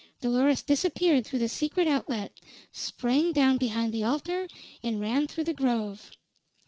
Dolores disappeared through the secret outlet, sprang down behind the altar, and ran through the Grove.